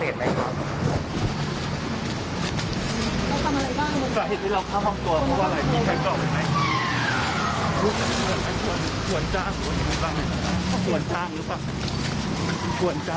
ตอนนี้ก็ไม่ได้ร่วมรู้ว่าเราไม่ได้รู้ว่ามีเหตุสถิตย์การนี้ตอนนี้ก็ไม่ได้ร่วมรู้ว่าเราไปกับเขาหรือไม่ครับ